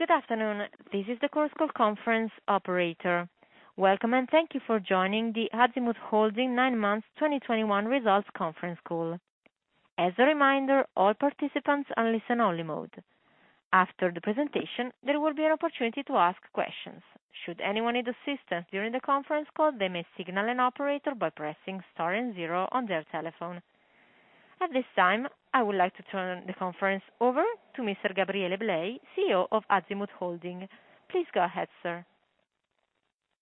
Good afternoon. This is the Chorus Call conference operator. Welcome, and thank you for joining the Azimut Holding nine months 2021 results conference call. As a reminder, all participants are on listen-only mode. After the presentation, there will be an opportunity to ask questions. Should anyone need assistance during the conference call, they may signal an operator by pressing star and zero on their telephone. At this time, I would like to turn the conference over to Mr. Gabriele Blei, CEO of Azimut Holding. Please go ahead, sir.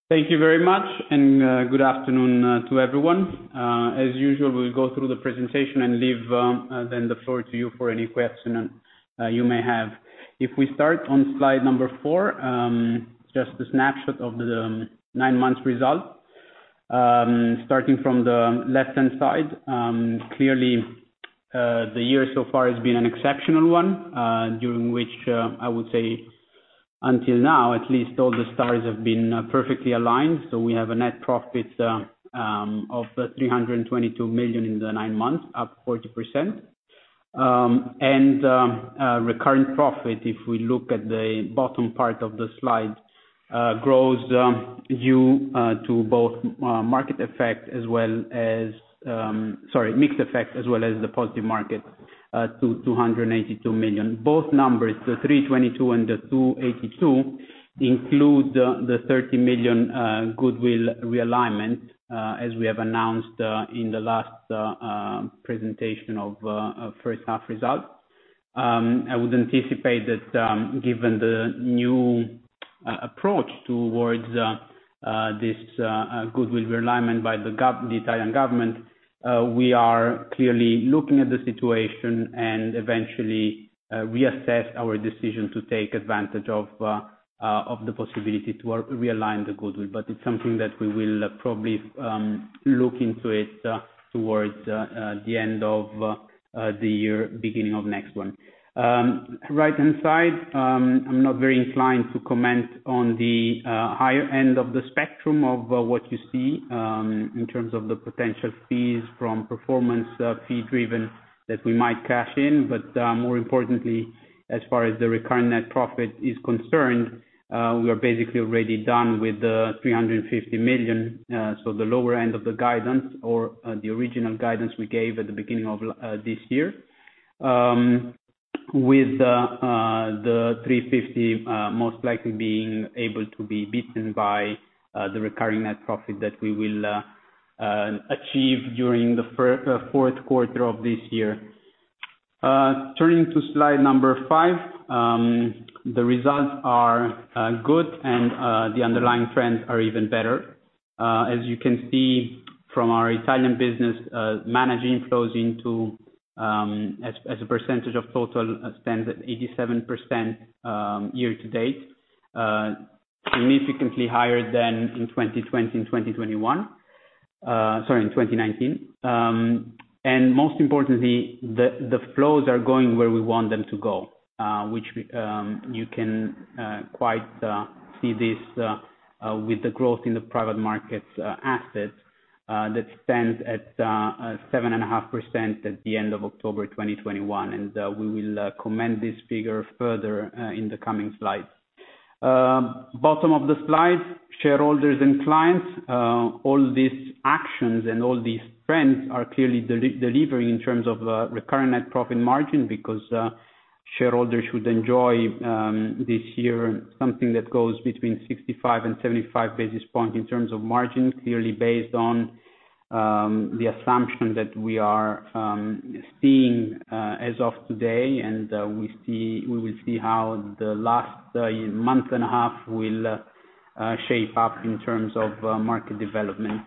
Thank you very much, and good afternoon to everyone. As usual, we'll go through the presentation and leave then the floor to you for any question you may have. If we start on slide number four, just a snapshot of the nine months results. Starting from the left-hand side, clearly the year so far has been an exceptional one, during which I would say until now, at least all the stars have been perfectly aligned. We have a net profit of 322 million in the nine months, up 40%. Recurring profit, if we look at the bottom part of the slide, grows due to both market effect as well as. Sorry, mixed effect as well as the positive market to 282 million. Both numbers, the 322 million and the 282 million, include the 30 million goodwill realignment as we have announced in the last presentation of first half results. I would anticipate that, given the new approach towards this goodwill realignment by the Italian government, we are clearly looking at the situation and eventually reassess our decision to take advantage of the possibility to realign the goodwill. It's something that we will probably look into it towards the end of the year, beginning of next one. Right-hand side, I'm not very inclined to comment on the higher end of the spectrum of what you see in terms of the potential fees from performance fee driven that we might cash in. More importantly, as far as the recurring net profit is concerned, we are basically already done with the 350 million, the lower end of the original guidance we gave at the beginning of this year, with the 350 most likely being able to be beaten by the recurring net profit that we will achieve during the fourth quarter of this year. Turning to slide number five, the results are good and the underlying trends are even better. As you can see from our Italian business, net inflows as a percentage of total AUM at 87% year to date, significantly higher than in 2019. Most importantly, the flows are going where we want them to go, which you can quite see this with the growth in the private markets assets that stands at 7.5% at the end of October 2021. We will comment this figure further in the coming slides. Bottom of the slide, shareholders and clients, all these actions and all these trends are clearly delivering in terms of recurring net profit margin, because shareholders should enjoy this year something that goes between 65 and 75 basis points in terms of margin, clearly based on the assumption that we are seeing as of today. We will see how the last month and a half will shape up in terms of market development.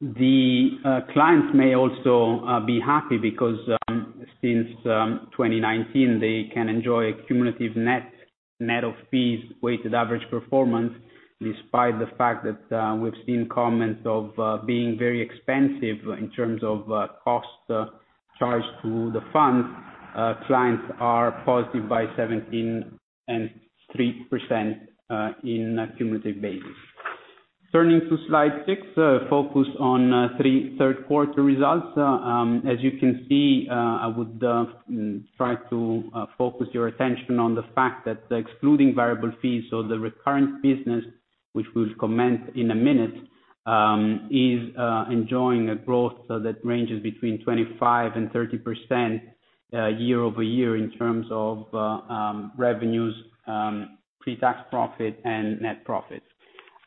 The clients may also be happy because since 2019, they can enjoy a cumulative net of fees, weighted average performance, despite the fact that we've seen comments of being very expensive in terms of cost charged to the funds. Clients are positive by 17% and 3% in a cumulative basis. Turning to slide six, focus on third quarter results. As you can see, I would try to focus your attention on the fact that excluding variable fees or the recurring business, which we'll comment in a minute, is enjoying a growth that ranges between 25%-30% year-over-year in terms of revenues, pre-tax profit and net profits.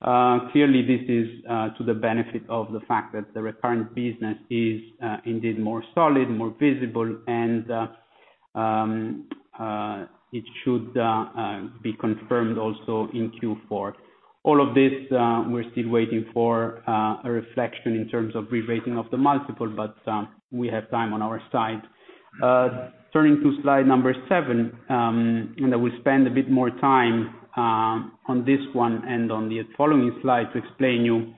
Clearly, this is to the benefit of the fact that the recurring business is indeed more solid, more visible, and it should be confirmed also in Q4. All of this, we're still waiting for a reflection in terms of rerating of the multiple, but we have time on our side. Turning to slide number seven, we spend a bit more time on this one and on the following slide to explain to you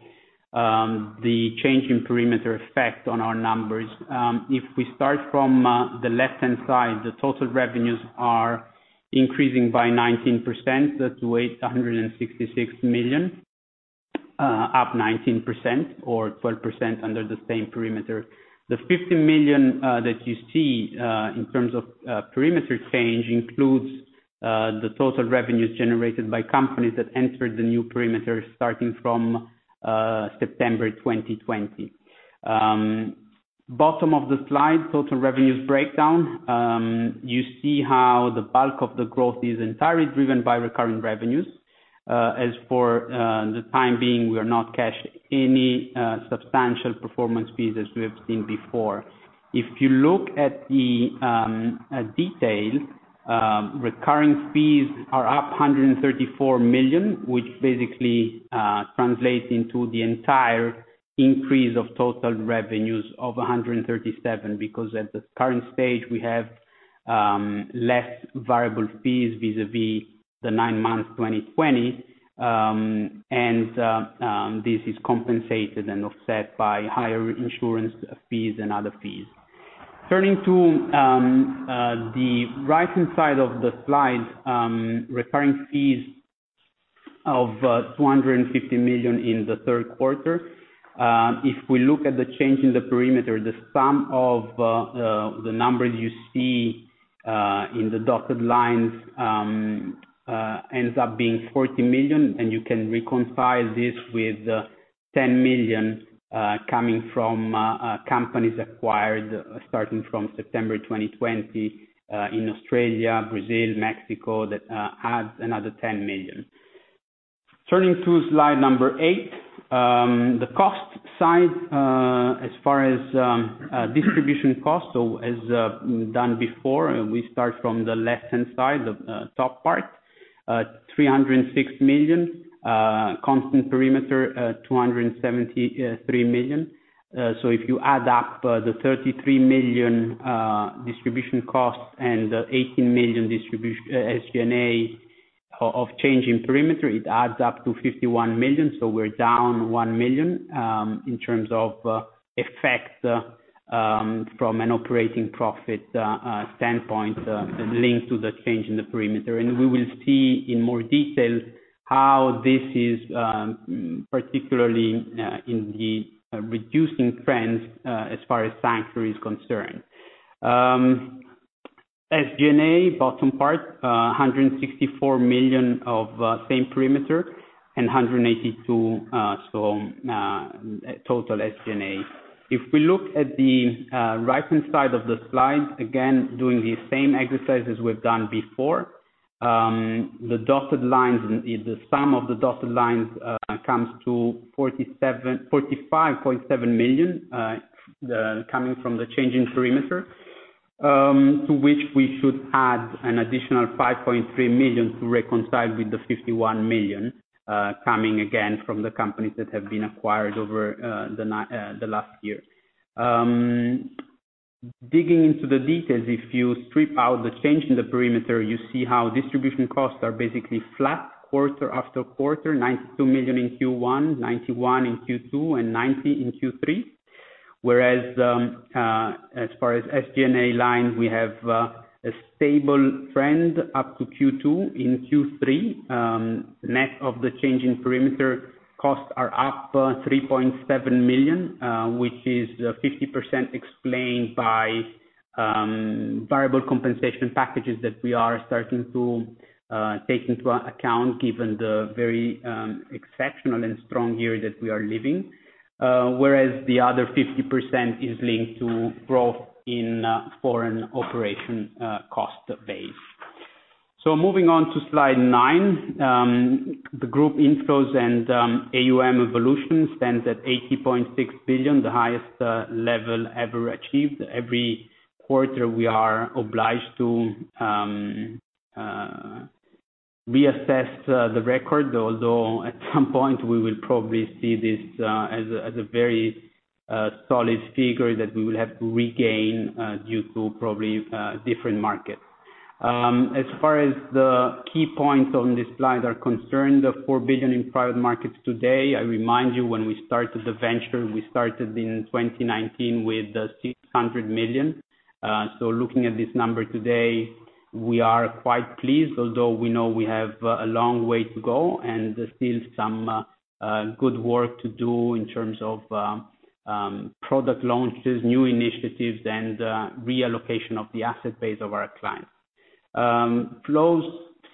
the change in perimeter effect on our numbers. If we start from the left-hand side, the total revenues are increasing by 19%. That's to 866 million, up 19% or 12% under the same perimeter. The 50 million that you see in terms of perimeter change includes the total revenues generated by companies that entered the new perimeter starting from September 2020. Bottom of the slide, total revenues breakdown. You see how the bulk of the growth is entirely driven by recurring revenues. As for the time being, we are not cashing any substantial performance fees as we have seen before. If you look at the detail, recurring fees are up 134 million, which basically translates into the entire increase of total revenues of 137 million. Because at the current stage, we have less variable fees vis-à-vis the nine months of 2020. This is compensated and offset by higher insurance fees and other fees. Turning to the right-hand side of the slide, recurring fees of 250 million in the third quarter. If we look at the change in the perimeter, the sum of the numbers you see in the dotted lines ends up being 40 million, and you can reconcile this with 10 million coming from companies acquired starting from September 2020 in Australia, Brazil, Mexico, that adds another 10 million. Turning to slide 8. The cost side, as far as distribution costs, as done before, we start from the left-hand side, the top part. 306 million. Constant perimeter, 273 million. If you add up the 33 million distribution costs and 18 million SG&A of change in perimeter, it adds up to 51 million. We're down 1 million in terms of effect from an operating profit standpoint linked to the change in the perimeter. We will see in more detail how this is particularly in the reducing trends as far as Sanctuary is concerned. SG&A, bottom part, 164 million of same perimeter and 182, total SG&A. If we look at the right-hand side of the slide, again, doing the same exercise as we've done before, the dotted lines, the sum of the dotted lines comes to 45.7 million, coming from the change in perimeter, to which we should add an additional 5.3 million to reconcile with the 51 million, coming again from the companies that have been acquired over the last year. Digging into the details, if you strip out the change in the perimeter, you see how distribution costs are basically flat quarter after quarter, 92 million in Q1, 91 million in Q2, and 90 million in Q3. Whereas, as far as SG&A line, we have a stable trend up to Q2. In Q3, net of the change in perimeter costs are up 3.7 million, which is 50% explained by variable compensation packages that we are starting to take into account given the very exceptional and strong year that we are living. Whereas the other 50% is linked to growth in foreign operation cost base. Moving on to slide nine. The group inflows and AUM evolution stands at 80.6 billion, the highest level ever achieved. Every quarter we are obliged to reassess the record, although at some point we will probably see this as a very solid figure that we will have to regain due to probably different markets. As far as the key points on this slide are concerned, the 4 billion in private markets today, I remind you when we started the venture, we started in 2019 with 600 million. So looking at this number today, we are quite pleased, although we know we have a long way to go and there's still some good work to do in terms of product launches, new initiatives, and reallocation of the asset base of our clients. Flows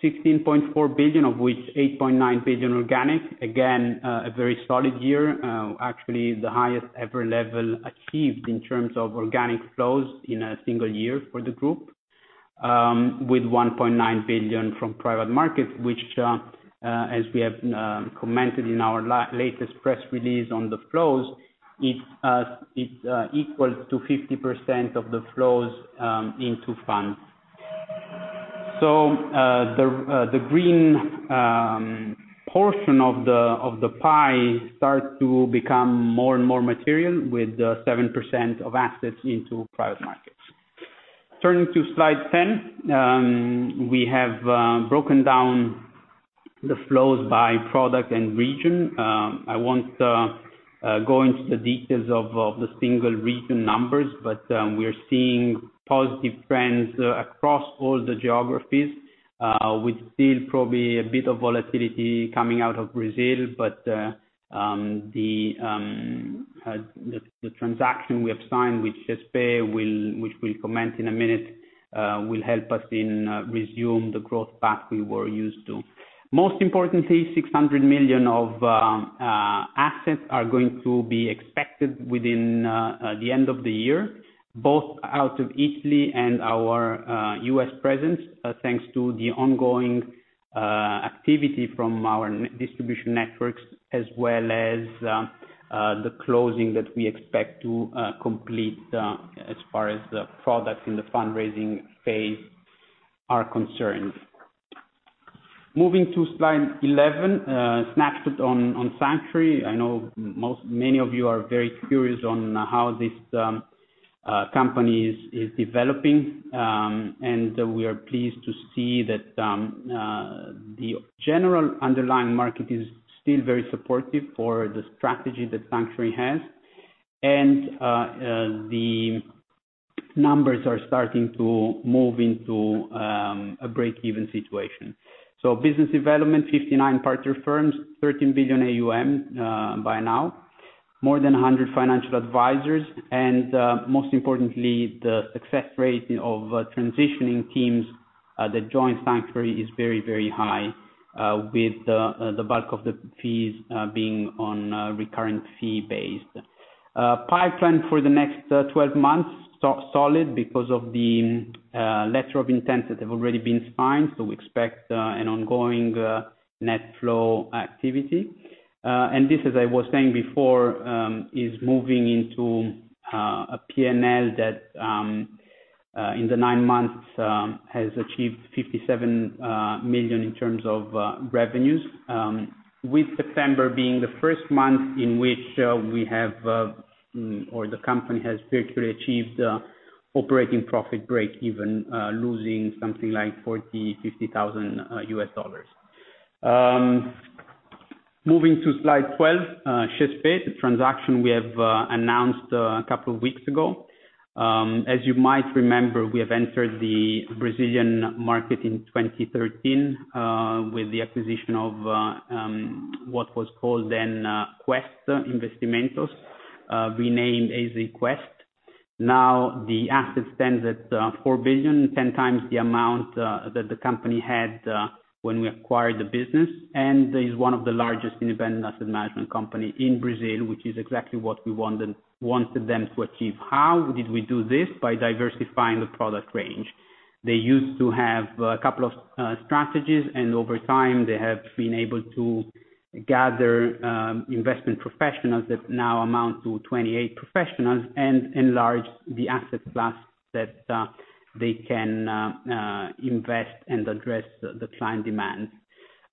16.4 billion, of which 8.9 billion organic. Again, a very solid year. Actually the highest ever level achieved in terms of organic flows in a single year for the group. With 1.9 billion from private markets, which, as we have commented in our latest press release on the flows, it's equal to 50% of the flows into funds. The green portion of the pie starts to become more and more material with 7% of assets into private markets. Turning to slide 10. We have broken down the flows by product and region. I want to go into the details of the single region numbers, but we are seeing positive trends across all the geographies. We see probably a bit of volatility coming out of Brazil, but the transaction we have signed with XP, which we'll comment in a minute, will help us resume the growth path we were used to. Most importantly, 600 million of assets are going to be expected within the end of the year, both out of Italy and our U.S. presence, thanks to the ongoing activity from our distribution networks as well as the closing that we expect to complete as far as the products in the fundraising phase are concerned. Moving to slide 11, snapshot on Sanctuary. I know many of you are very curious on how this company is developing. We are pleased to see that the general underlying market is still very supportive for the strategy that Sanctuary has. The numbers are starting to move into a break-even situation. Business development, 59 partner firms, 13 billion AUM by now. More than 100 financial advisors. Most importantly, the success rate of transitioning teams that joined Sanctuary is very, very high with the bulk of the fees being on recurrent fee base. Pipeline for the next 12 months, so solid because of the letter of intent that have already been signed. We expect an ongoing net flow activity. This, as I was saying before, is moving into a PNL that in the nine months has achieved 57 million in terms of revenues. With September being the first month in which we have or the company has virtually achieved operating profit break-even, losing something like $40,000-$50,000. Moving to slide 12, Chespak, the transaction we have announced a couple of weeks ago. As you might remember, we have entered the Brazilian market in 2013 with the acquisition of what was called then Quest Investimentos, renamed AZ Quest. Now, the assets stands at 4 billion, 10x the amount that the company had when we acquired the business. It is one of the largest independent asset management company in Brazil, which is exactly what we wanted them to achieve. How did we do this? By diversifying the product range. They used to have a couple of strategies, and over time, they have been able to gather investment professionals that now amount to 28 professionals and enlarge the asset class that they can invest and address the client demands.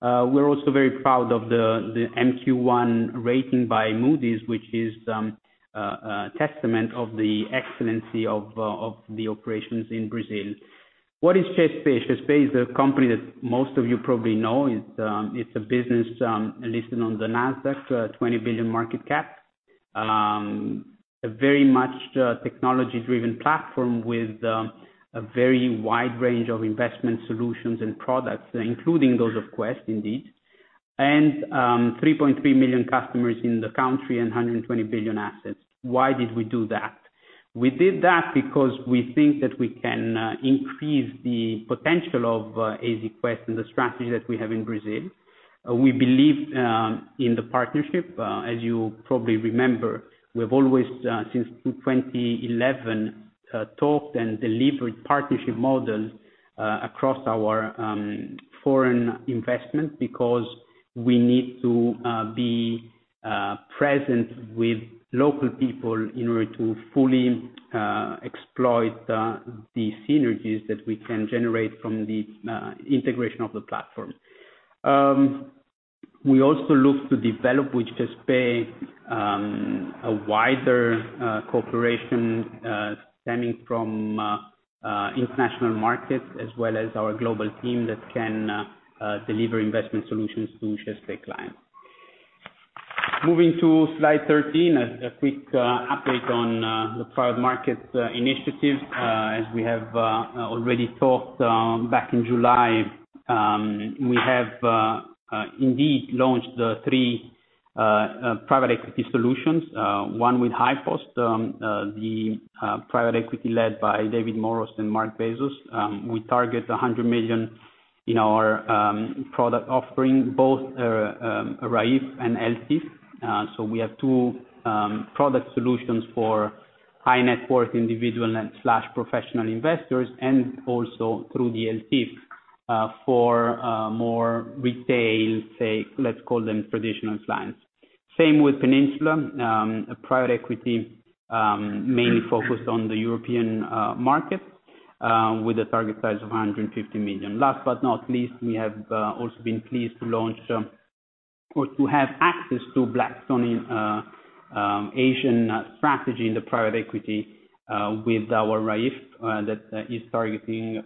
We're also very proud of the MQ1 rating by Moody's, which is a testament of the excellence of the operations in Brazil. What is XP Inc.? XP Inc. is a company that most of you probably know. It's a business listed on the Nasdaq, $20 billion market cap. A very much technology-driven platform with a very wide range of investment solutions and products, including those of Quest indeed. 3.3 million customers in the country and 120 billion assets. Why did we do that? We did that because we think that we can increase the potential of AZ Quest and the strategy that we have in Brazil. We believe in the partnership. As you probably remember, we've always since 2011 talked and delivered partnership models across our foreign investment because we need to be present with local people in order to fully exploit the synergies that we can generate from the integration of the platform. We also look to develop with Chespak a wider cooperation stemming from international markets as well as our global team that can deliver investment solutions to Chespak clients. Moving to slide 13, a quick update on the private markets initiative. As we have already talked back in July, we have indeed launched the three private equity solutions. One with HighPost, the private equity led by David Moross and Mark Bezos. We target 100 million in our product offerings, both RAIF and LTIF. We have two product solutions for high net worth individual and professional investors, and also through the LTIF for more retail, say, let's call them traditional clients. Same with Peninsula, a private equity mainly focused on the European market, with a target size of 150 million. Last but not least, we have also been pleased to launch, or to have access to Blackstone in Asian strategy in the private equity, with our RAIF, that is targeting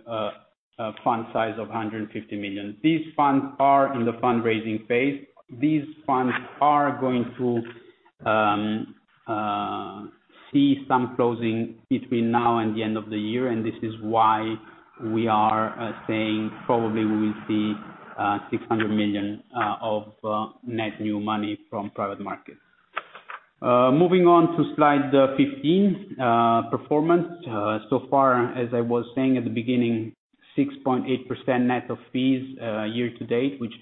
a fund size of 150 million. These funds are in the fundraising phase. These funds are going to see some closing between now and the end of the year, and this is why we are saying probably we will see 600 million of net new money from private markets. Moving on to slide 15, performance. So far as I was saying at the beginning, 6.8% net of fees year to date, which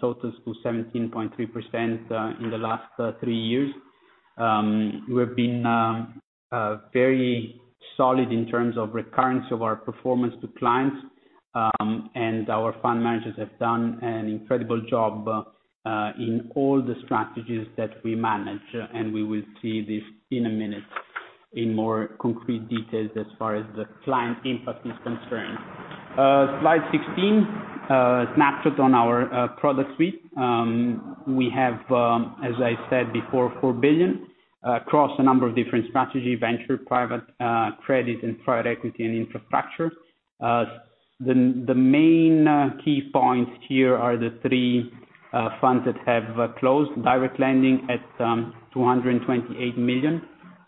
totals to 17.3% in the last three years. We have been very solid in terms of recurrence of our performance to clients. Our fund managers have done an incredible job in all the strategies that we manage, and we will see this in a minute in more concrete details as far as the client impact is concerned. Slide 16, snapshot on our product suite. We have, as I said before, 4 billion across a number of different strategies: venture, private credit, private equity, and infrastructure. The main key points here are the three funds that have closed direct lending at 228 million.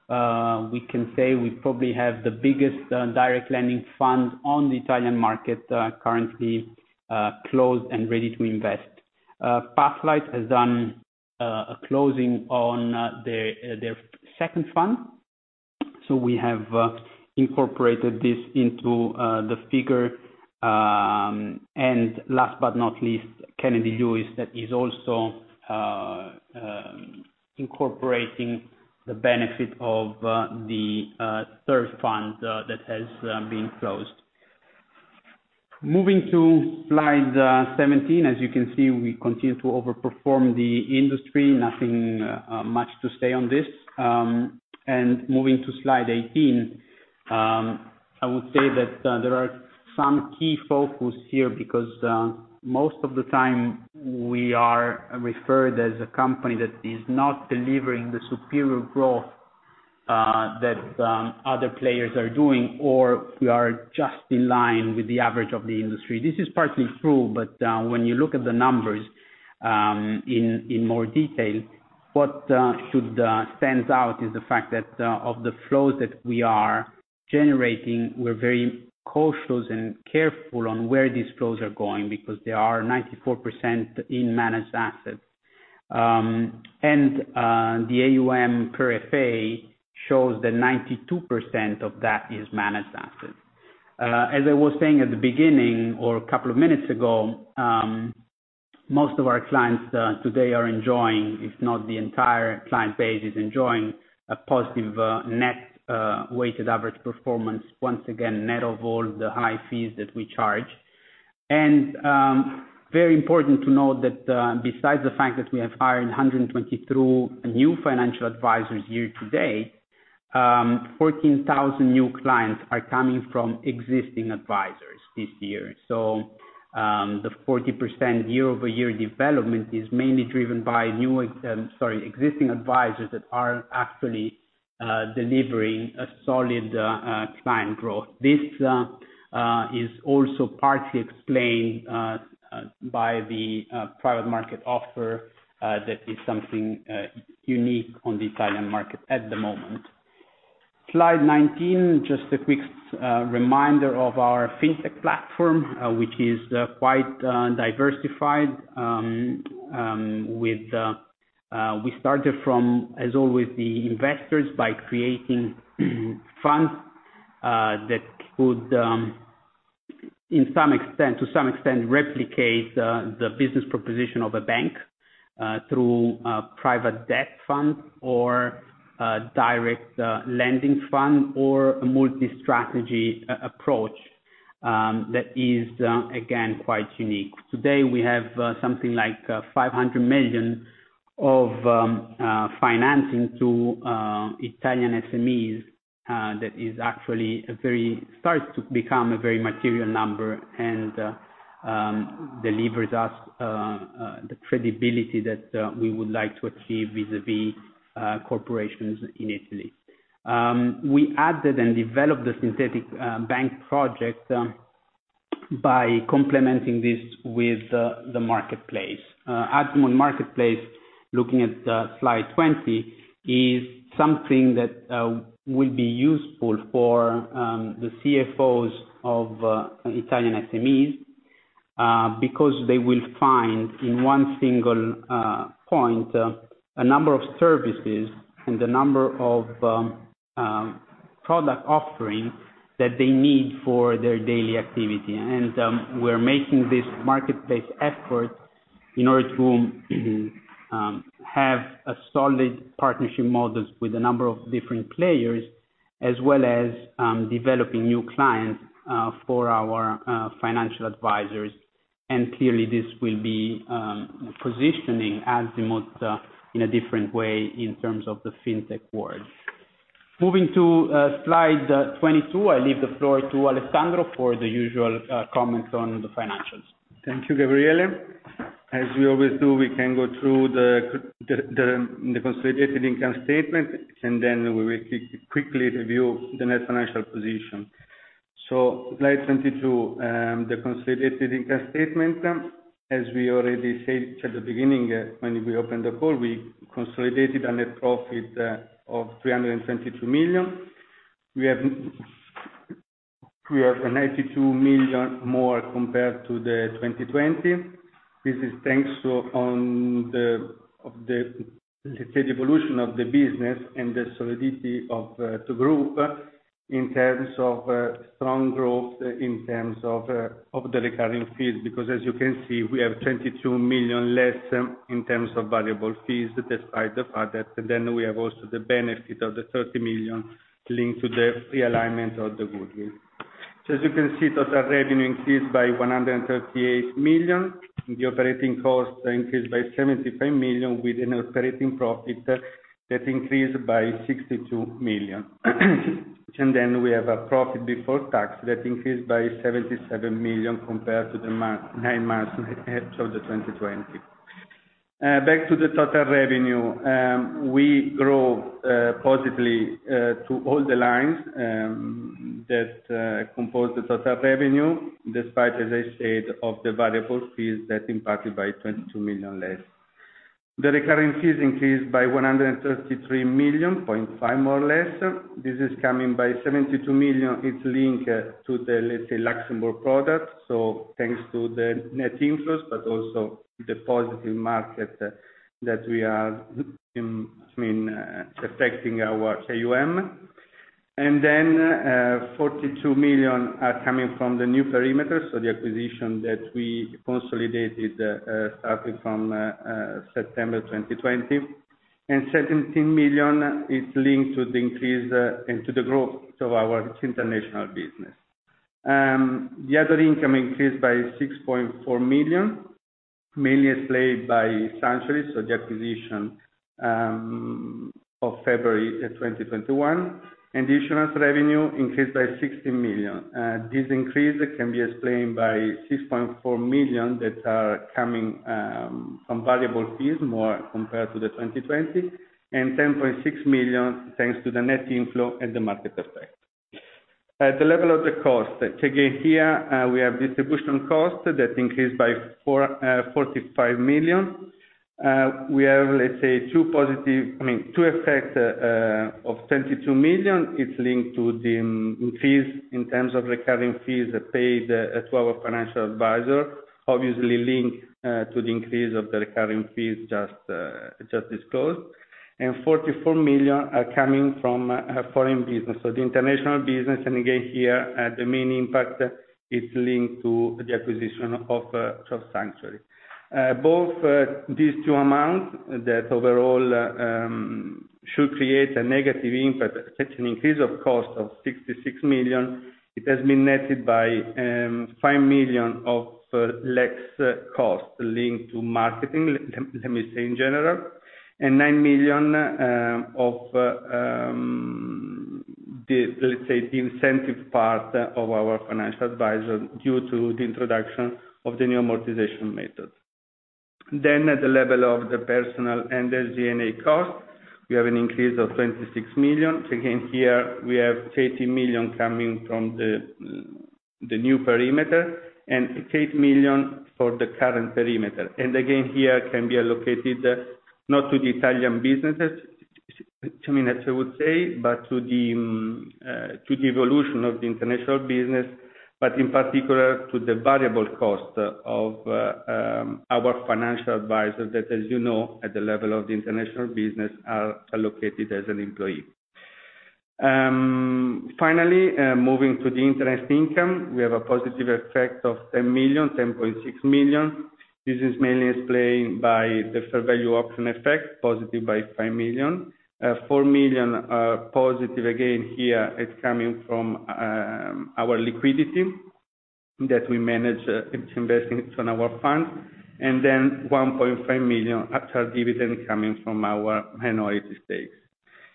We can say we probably have the biggest direct lending fund on the Italian market currently closed and ready to invest. Pathlight has done a closing on their second fund, so we have incorporated this into the figure. Last but not least, Kennedy Lewis that is also incorporating the benefit of the third fund that has been closed. Moving to slide 17, as you can see, we continue to overperform the industry. Nothing much to say on this. Moving to slide 18, I would say that there are some key focus here because most of the time we are referred as a company that is not delivering the superior growth that other players are doing, or we are just in line with the average of the industry. This is partly true, but when you look at the numbers in more detail, what should stand out is the fact that of the flows that we are generating, we're very cautious and careful on where these flows are going because they are 94% in managed assets. The AUM per FA shows that 92% of that is managed assets. As I was saying at the beginning or a couple of minutes ago, most of our clients today are enjoying, if not the entire client base is enjoying a positive net weighted average performance once again, net of all the high fees that we charge. Very important to note that, besides the fact that we have hired 122 new financial advisors year-to-date, 14,000 new clients are coming from existing advisors this year. The 40% year-over-year development is mainly driven by existing advisors that are actually delivering a solid client growth. This is also partly explained by the private market offer that is something unique on the Italian market at the moment. Slide 19, just a quick reminder of our FinTech platform, which is quite diversified. We started for, as always, the investors by creating funds that could to some extent replicate the business proposition of a bank through a private debt fund or a direct lending fund or a multi-strategy approach that is again quite unique. Today we have something like 500 million of financing to Italian SMEs that actually starts to become a very material number and delivers us the credibility that we would like to achieve vis-à-vis corporations in Italy. We added and developed the synthetic bank project by complementing this with the marketplace. Azimut Marketplace, looking at slide 20 is something that will be useful for the CFOs of Italian SMEs, because they will find in one single point a number of services and the number of product offerings that they need for their daily activity. We're making this marketplace effort in order to have a solid partnership models with a number of different players, as well as developing new clients for our financial advisors. Clearly this will be positioning Azimut in a different way in terms of the fintech world. Moving to slide 22, I leave the floor to Alessandro for the usual comments on the financials. Thank you, Gabriele. As we always do, we can go through the consolidated income statement, and then we will quickly review the net financial position. Slide 22, the consolidated income statement, as we already said at the beginning, when we opened the call, we consolidated a net profit of 322 million. We have a 92 million more compared to the 2020. This is thanks to, let's say, the evolution of the business and the solidity of the group in terms of strong growth in terms of the recurring fees because as you can see, we have 22 million less in terms of variable fees despite the fact that then we have also the benefit of the 30 million linked to the realignment of the goodwill. As you can see, total revenue increased by 138 million. The operating costs increased by 75 million with an operating profit that increased by 62 million. We have a profit before tax that increased by 77 million compared to the nine months of 2020. Back to the total revenue, we grew positively to all the lines that compose the total revenue, despite, as I said, of the variable fees that impacted by 22 million less. The recurring fees increased by 133.5 million more or less. This is coming from 72 million, it's linked to the, let's say, Luxembourg product, so thanks to the net inflows but also the positive market that we are affecting our AUM. 42 million are coming from the new perimeter, so the acquisition that we consolidated starting from September 2020. 17 million is linked to the increase, and to the growth of our international business. The other income increased by 6.4 million, mainly explained by Sanctuary, so the acquisition of February 2021. Insurance revenue increased by 60 million. This increase can be explained by 6.4 million that are coming from variable fees more compared to 2020, and 10.6 million thanks to the net inflow and the market effect. At the level of the cost, again here, we have distribution costs that increased by 45 million. We have, let's say, I mean, two effects of 22 million. It's linked to the increase in terms of recurring fees paid to our financial advisor, obviously linked to the increase of the recurring fees just disclosed. 44 million are coming from foreign business. The international business, and again here, the main impact is linked to the acquisition of Sanctuary. Both these two amounts that overall should create a negative impact, such as an increase of cost of 66 million, it has been netted by 5 million of less cost linked to marketing in general, and 9 million of the incentive part of our financial advisor due to the introduction of the new amortization method. At the level of the personnel and the G&A cost, we have an increase of 26 million. Here we have 18 million coming from the new perimeter and 8 million for the current perimeter. Again, here can be allocated not to the Italian businesses, two minutes I would say, but to the evolution of the international business, but in particular to the variable cost of our financial advisors that, as you know, at the level of the international business are allocated as an employee. Finally, moving to the interest income, we have a positive effect of 10 million, 10.6 million. This is mainly explained by the fair value option effect, positive by 5 million. Four million are positive again here is coming from our liquidity that we manage to invest in on our fund, and then 1.5 million after dividend coming from our minority stakes.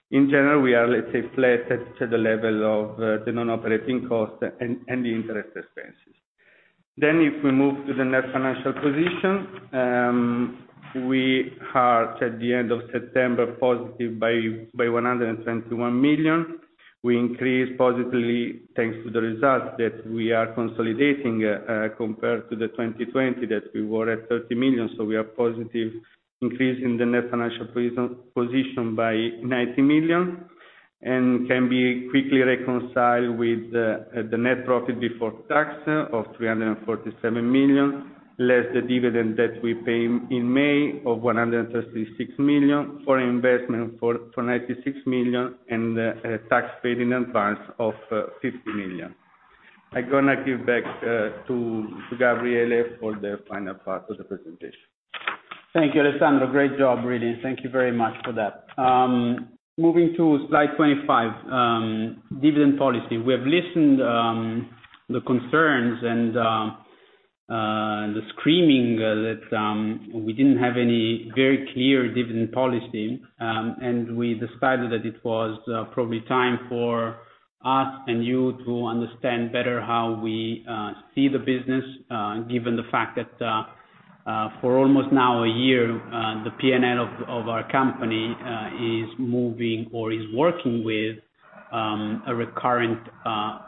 In general, we are, let's say, flat at to the level of the non-operating costs and the interest expenses. If we move to the net financial position, we are at the end of September, positive by 121 million. We increased positively thanks to the results that we are consolidating, compared to the 2020 that we were at 30 million. We are positive increase in the net financial position by 90 million, and can be quickly reconciled with the net profit before tax of 347 million, less the dividend that we pay in May of 136 million, foreign investment for 96 million, and tax paid in advance of 50 million. I'm gonna give back to Gabriele for the final part of the presentation. Thank you, Alessandro. Great job, really. Thank you very much for that. Moving to slide 25, dividend policy. We have listened to the concerns and the screaming that we didn't have any very clear dividend policy, and we decided that it was probably time for us and you to understand better how we see the business, given the fact that for almost a year now the PNL of our company is moving or is working with a recurrent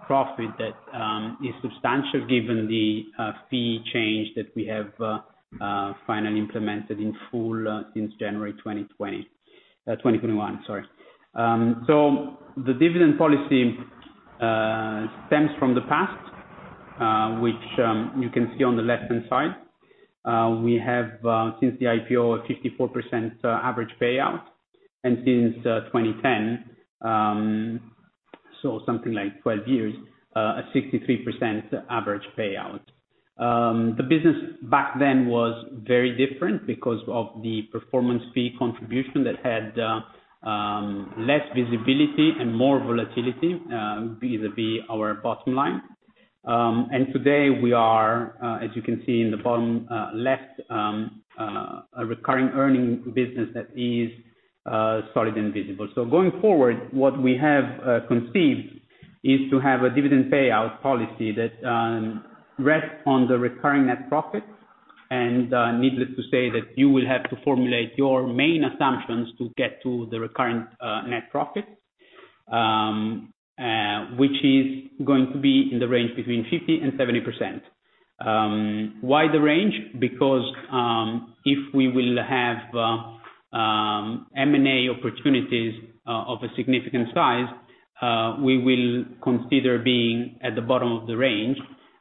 profit that is substantial given the fee change that we have finally implemented in full since January 2020. 2021, sorry. The dividend policy stems from the past, which you can see on the left-hand side. We have, since the IPO, a 54% average payout. Since 2010, something like 12 years, a 63% average payout. The business back then was very different because of the performance fee contribution that had less visibility and more volatility vis-à-vis our bottom line. Today we are, as you can see in the bottom left, a recurring earnings business that is solid and visible. Going forward, what we have conceived is to have a dividend payout policy that rests on the recurring net profit. Needless to say that you will have to formulate your main assumptions to get to the recurring net profit, which is going to be in the range between 50% and 70%. Why the range? Because if we will have M&A opportunities of a significant size, we will consider being at the bottom of the range.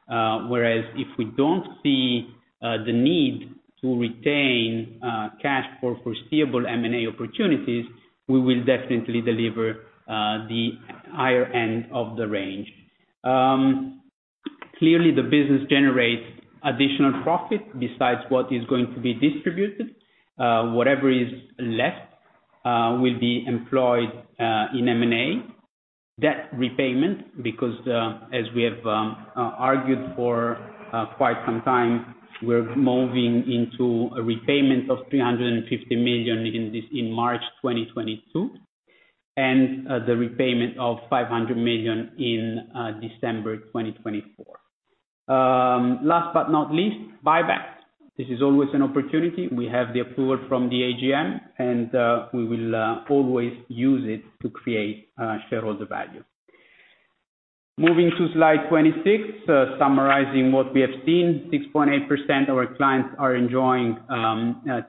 Whereas if we don't see the need to retain cash for foreseeable M&A opportunities, we will definitely deliver the higher end of the range. Clearly the business generates additional profit besides what is going to be distributed. Whatever is left will be employed in M&A, debt repayment, because as we have argued for quite some time, we're moving into a repayment of 350 million in March 2022, and the repayment of 500 million in December 2024. Last but not least, buyback. This is always an opportunity. We have the approval from the AGM, and we will always use it to create shareholder value. Moving to slide 26, summarizing what we have seen. 6.8% of our clients are enjoying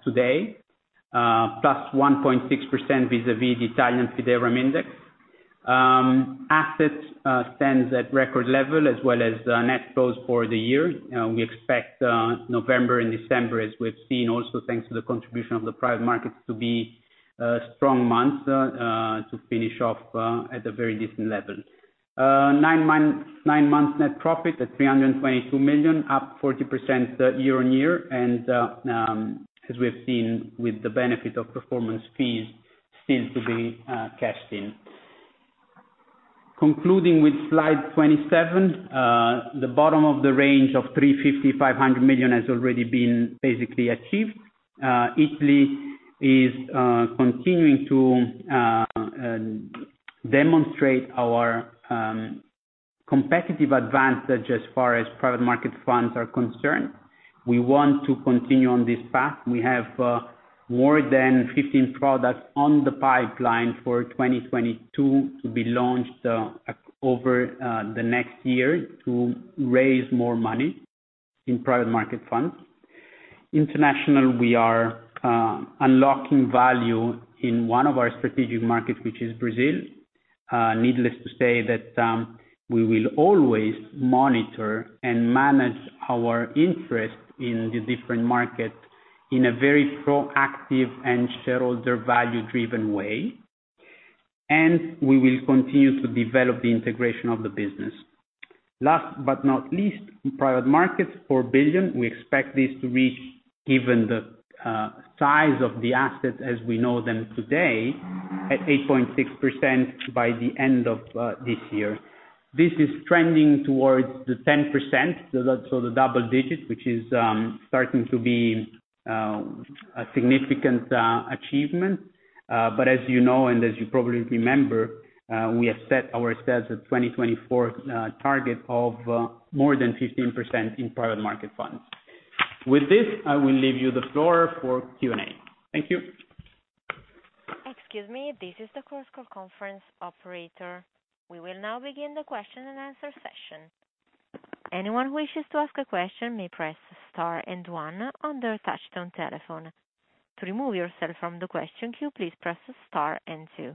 today +1.6% vis-à-vis the Italian Fideuram index. Assets stands at record level as well as net flows for the year. We expect November and December, as we have seen also thanks to the contribution of the private markets, to be strong months to finish off at a very different level. Nine months net profit at 322 million, up 40% year-on-year. As we have seen with the benefit of performance fees still to be cashed in. Concluding with slide 27, the bottom of the range of 350 million-500 million has already been basically achieved. Italy is continuing to demonstrate our competitive advantage as far as private market funds are concerned. We want to continue on this path. We have more than 15 products on the pipeline for 2022 to be launched over the next year to raise more money in private market funds. International, we are unlocking value in one of our strategic markets, which is Brazil. Needless to say that, we will always monitor and manage our interest in the different markets in a very proactive and shareholder value driven way. We will continue to develop the integration of the business. Last but not least, private markets, 4 billion. We expect this to reach even the size of the assets as we know them today at 8.6% by the end of this year. This is trending towards the 10%, so the double digits, which is starting to be a significant achievement. As you know, and as you probably remember, we have set our stretched 2024 target of more than 15% in private market funds. With this, I will leave you the floor for Q&A. Thank you. Excuse me. This is the Chorus Call conference operator. We will now begin the question and answer session. Anyone who wishes to ask a question may press star and one on their touchtone telephone. To remove yourself from the question queue, please press star and two.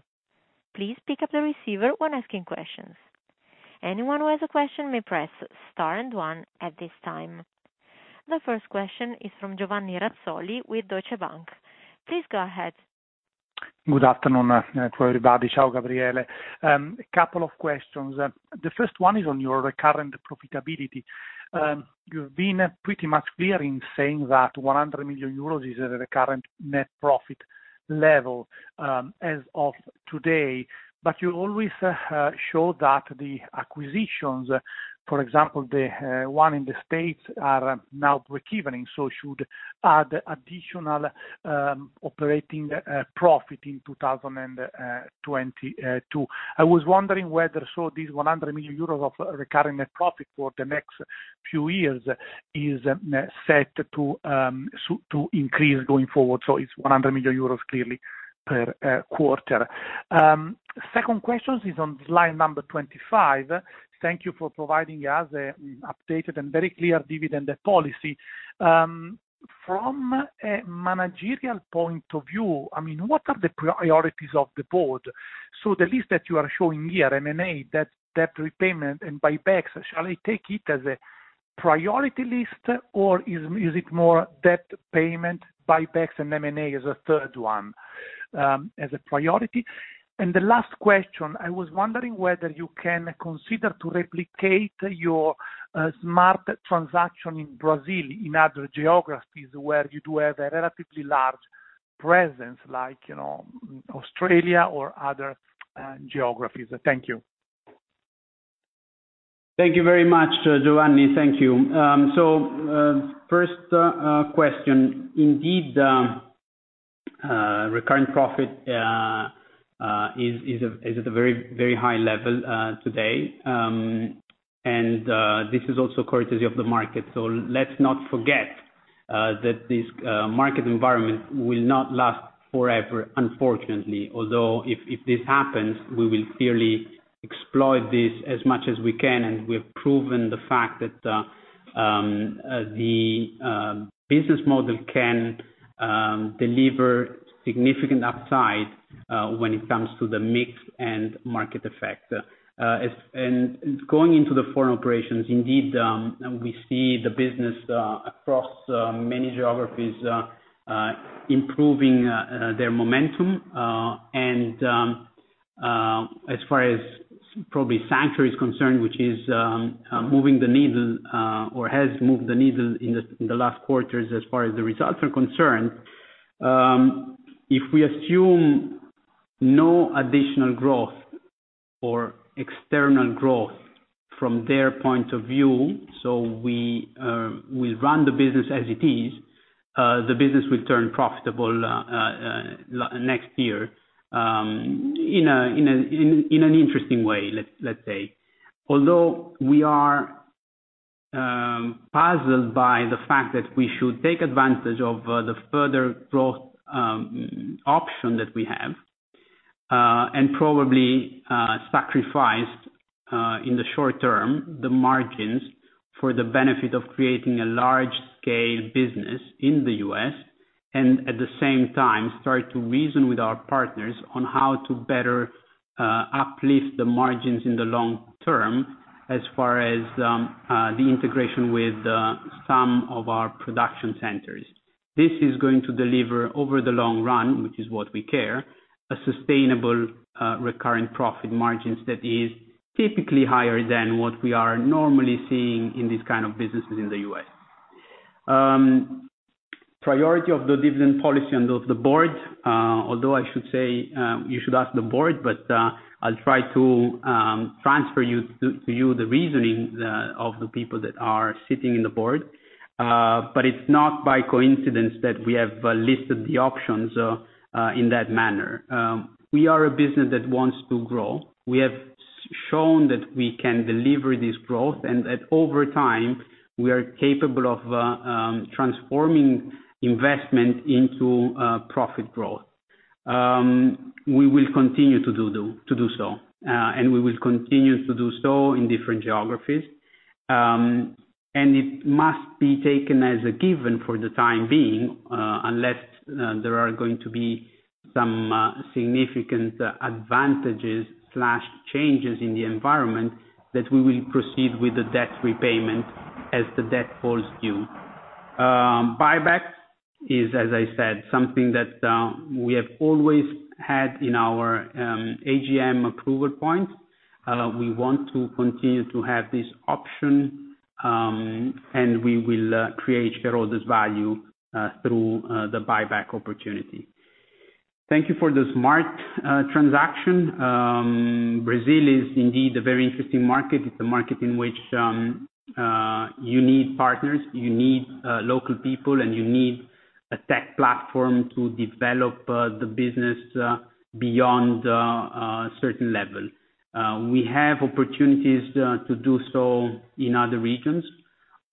Please pick up the receiver when asking questions. Anyone who has a question may press star and one at this time. The first question is from Giovanni Razzoli with Deutsche Bank. Please go ahead. Good afternoon to everybody. Ciao, Gabriele. A couple of questions. The first one is on your recurrent profitability. You've been pretty much clear in saying that 100 million euros is a recurrent net profit level, as of Today, but you always show that the acquisitions, for example, the one in the States are now break-even, so should add additional operating profit in 2022. I was wondering whether this 100 million euros of recurring net profit for the next few years is set to increase going forward. It's 100 million euros clearly per quarter. Second question is on slide number 25. Thank you for providing us an updated and very clear dividend policy. From a managerial point of view, I mean, what are the priorities of the board? The list that you are showing here, M&A, debt repayment, and buybacks. Shall I take it as a priority list, or is it more debt payment, buybacks, and M&A as a third one, as a priority? The last question, I was wondering whether you can consider to replicate your, smart transaction in Brazil, in other geographies where you do have a relatively large presence, like, you know, Australia or other, geographies. Thank you. Thank you very much, Giovanni. Thank you. First question. Indeed, recurring profit is at a very high level today. This is also courtesy of the market. Let's not forget that this market environment will not last forever, unfortunately. Although if this happens, we will clearly exploit this as much as we can, and we have proven the fact that the business model can deliver significant upside when it comes to the mix and market effect. Going into the foreign operations, indeed, we see the business across many geographies improving their momentum. As far as probably Sanctuary Wealth is concerned, which is moving the needle or has moved the needle in the last quarters as far as the results are concerned. If we assume no additional growth or external growth from their point of view, we run the business as it is. The business will turn profitable next year in an interesting way, let's say. Although we are puzzled by the fact that we should take advantage of the further growth option that we have and probably sacrifice in the short term the margins for the benefit of creating a large scale business in the U.S., and at the same time start to reason with our partners on how to better uplift the margins in the long term as far as the integration with some of our production centers. This is going to deliver over the long run, which is what we care, a sustainable recurring profit margins that is typically higher than what we are normally seeing in these kind of businesses in the U.S. Priority of the dividend policy and of the board. Although I should say you should ask the board. I'll try to transfer to you the reasoning of the people that are sitting on the board. It's not by coincidence that we have listed the options in that manner. We are a business that wants to grow. We have shown that we can deliver this growth, and over time, we are capable of transforming investment into profit growth. We will continue to do so, and we will continue to do so in different geographies. It must be taken as a given for the time being, unless there are going to be some significant advantages or changes in the environment that we will proceed with the debt repayment as the debt falls due. Buyback is, as I said, something that we have always had in our AGM approval point. We want to continue to have this option, and we will create shareholders value through the buyback opportunity. Thank you for the smart transaction. Brazil is indeed a very interesting market. It's a market in which you need partners, you need local people, and you need a tech platform to develop the business beyond a certain level. We have opportunities to do so in other regions,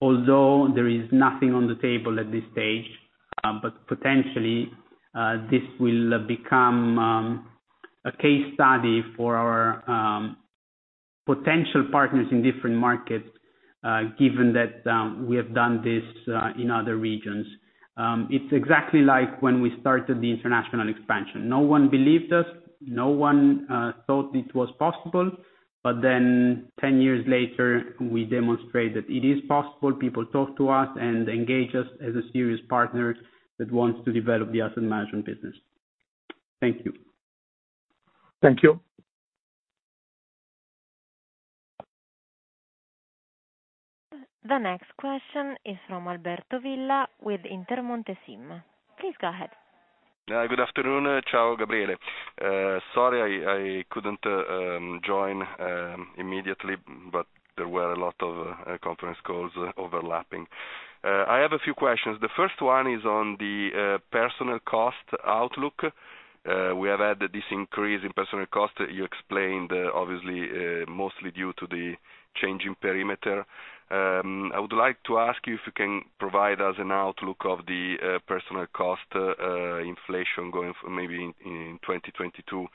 although there is nothing on the table at this stage. Potentially, this will become a case study for our potential partners in different markets, given that we have done this in other regions. It's exactly like when we started the international expansion. No one believed us. No one thought it was possible. 10 years later, we demonstrate that it is possible. People talk to us and engage us as a serious partner that wants to develop the asset management business. Thank you. Thank you. The next question is from Alberto Villa with Intermonte SIM. Please go ahead. Good afternoon. Ciao, Gabriele. Sorry, I couldn't join immediately, but there were a lot of conference calls overlapping. I have a few questions. The first one is on the personnel cost outlook. We have had this increase in personnel cost that you explained, obviously, mostly due to the change in perimeter. I would like to ask you if you can provide us an outlook of the personnel cost inflation going for maybe in 2022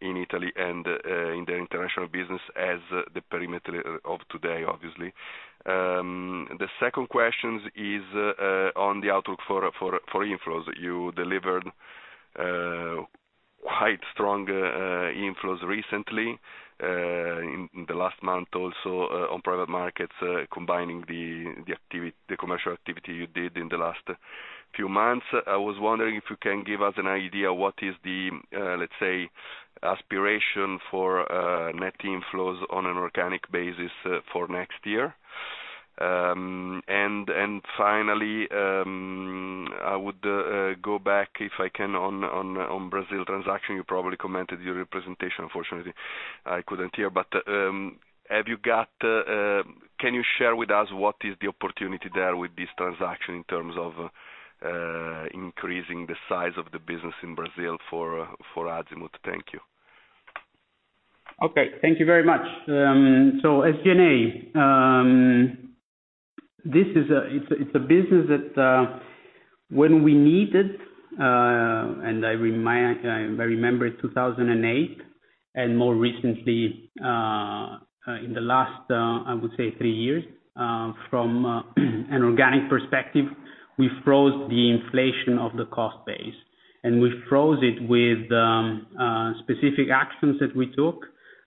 in Italy and in the international business as the perimeter of today, obviously. The second question is on the outlook for inflows. You delivered quite strong inflows recently, in the last month also, on private markets, combining the commercial activity you did in the last few months. I was wondering if you can give us an idea what is the, let's say, aspiration for net inflows on an organic basis for next year. Finally, I would go back, if I can, on Brazil transaction. You probably commented on your presentation. Unfortunately, I couldn't hear. Can you share with us what is the opportunity there with this transaction in terms of increasing the size of the business in Brazil for Azimut? Thank you. Okay. Thank you very much. SG&A, this is a business that when we need it, and I remember in 2008, and more recently, in the last, I would say three years, from an organic perspective, we froze the inflation of the cost base. We froze it with specific actions that we took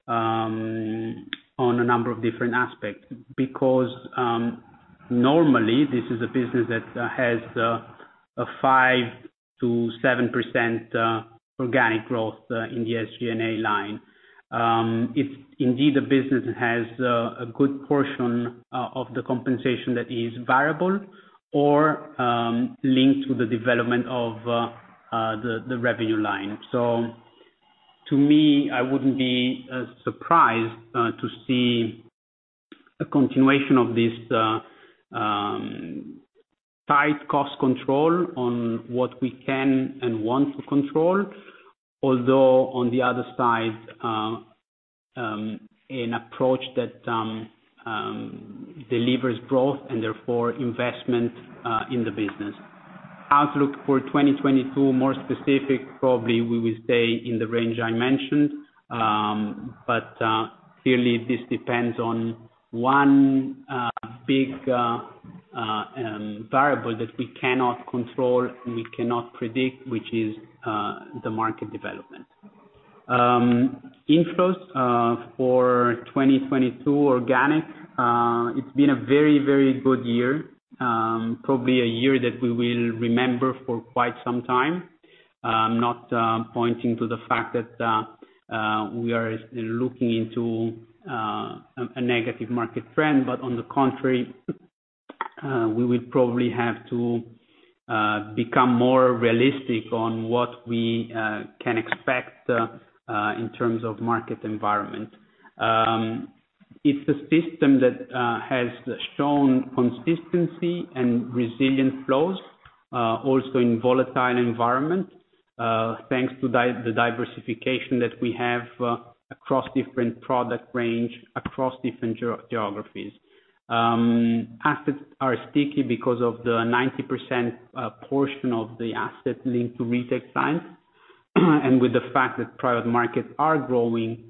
on a number of different aspects. Because normally, this is a business that has a 5%-7% organic growth in the SG&A line. It's indeed a business that has a good portion of the compensation that is variable or linked to the development of the revenue line. To me, I wouldn't be surprised to see a continuation of this tight cost control on what we can and want to control, although on the other side an approach that delivers growth and therefore investment in the business. Outlook for 2022, more specific, probably we will stay in the range I mentioned. Clearly this depends on one big variable that we cannot control, we cannot predict, which is the market development. Inflows for 2022 organic, it's been a very, very good year, probably a year that we will remember for quite some time. Not pointing to the fact that we are looking into a negative market trend. On the contrary, we will probably have to become more realistic on what we can expect in terms of market environment. It's a system that has shown consistency and resilient flows also in volatile environment, thanks to the diversification that we have across different product range, across different geographies. Assets are sticky because of the 90% portion of the asset linked to lock-up time. With the fact that private markets are growing,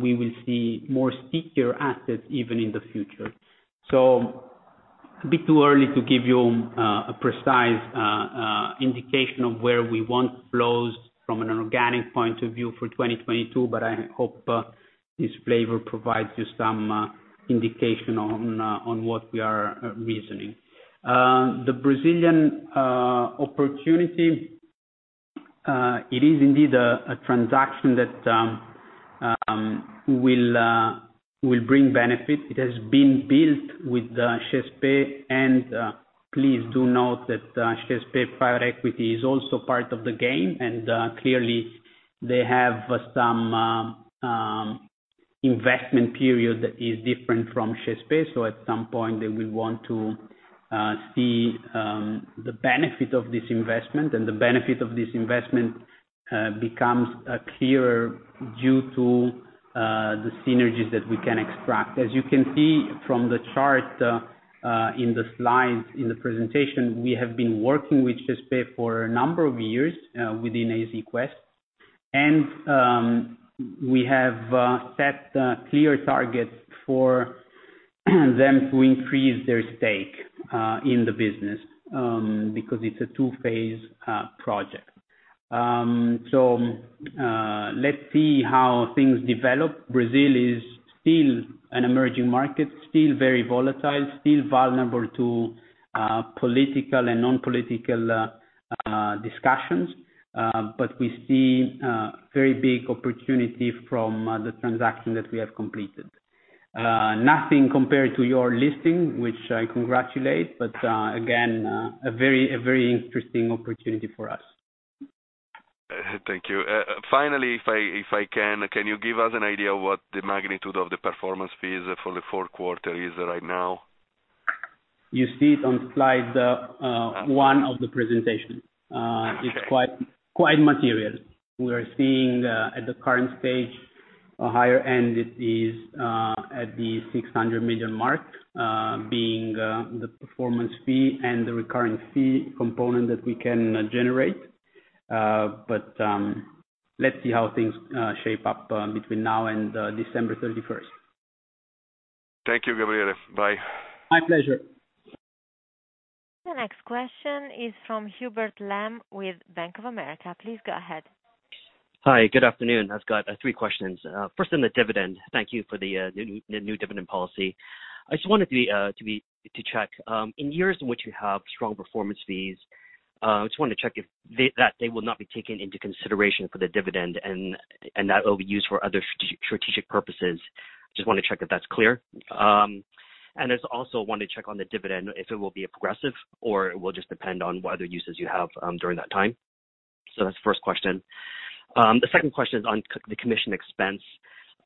we will see more stickier assets even in the future. A bit too early to give you a precise indication of where we want flows from an organic point of view for 2022, but I hope this flavor provides you some indication on what we are reasoning. The Brazilian opportunity, it is indeed a transaction that will bring benefit. It has been built with XP. Please do note that XP private equity is also part of the game. Clearly, they have some investment period that is different from XP. At some point, they will want to see the benefit of this investment, and the benefit of this investment becomes clearer due to the synergies that we can extract. As you can see from the chart in the slides in the presentation, we have been working with XP for a number of years within AZ Quest. We have set clear targets for them to increase their stake in the business because it's a two-phase project. Let's see how things develop. Brazil is still an emerging market, still very volatile, still vulnerable to political and non-political discussions. We see very big opportunity from the transaction that we have completed. Nothing compared to your listing, which I congratulate, but again, a very interesting opportunity for us. Thank you. Finally, if I can you give us an idea what the magnitude of the performance fees for the fourth quarter is right now? You see it on slide one of the presentation. It's quite material. We're seeing at the current stage, a higher end is at the 600 million mark, being the performance fee and the recurring fee component that we can generate. Let's see how things shape up between now and December 31st. Thank you, Gabriele. Bye. My pleasure. The next question is from Hubert Lam with Bank of America. Please go ahead. Hi, good afternoon. I've got three questions. First on the dividend. Thank you for the new dividend policy. I just wanted to check in years in which you have strong performance fees. I just wanted to check if they will not be taken into consideration for the dividend, and that will be used for other strategic purposes. Just wanna check if that's clear. I also wanted to check on the dividend, if it will be aggressive or it will just depend on what other uses you have during that time. That's the first question. The second question is on the commission expense.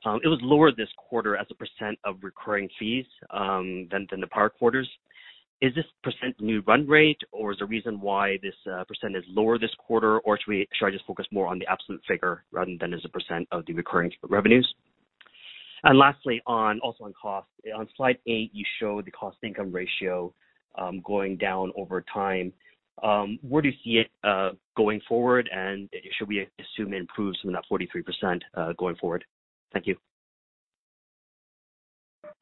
It was lower this quarter as a percent of recurring fees than the prior quarters. Is this percent new run rate, or is the reason why this percent is lower this quarter, or should I just focus more on the absolute figure rather than as a percent of the recurring revenues? Lastly, also on costs. On slide 8, you showed the cost income ratio going down over time. Where do you see it going forward, and should we assume it improves from that 43% going forward? Thank you.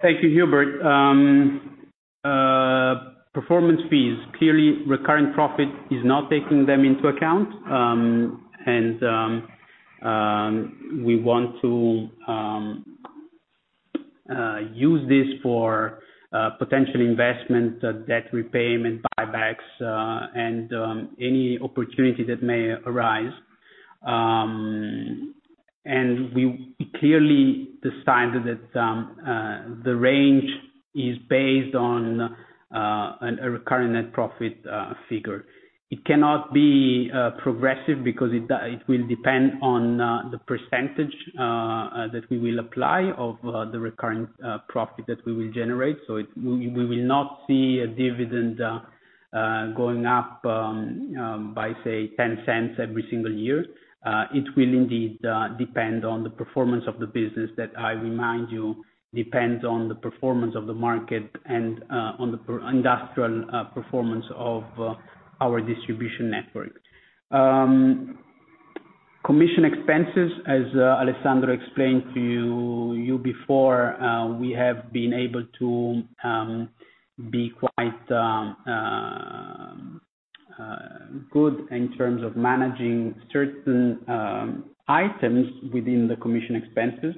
Thank you, Hubert. Performance fees. Clearly, recurring profit is not taking them into account, and we want to use this for potential investment, debt repayment, buybacks, and any opportunity that may arise. We clearly decided that the range is based on a recurring net profit figure. It cannot be progressive because it will depend on the percentage that we will apply of the recurring profit that we will generate. We will not see a dividend going up by say, 0.10 every single year. It will indeed depend on the performance of the business that I remind you depends on the performance of the market and on the personnel performance of our distribution network. Commission expenses, as Alessandro explained to you before, we have been able to be quite good in terms of managing certain items within the commission expenses,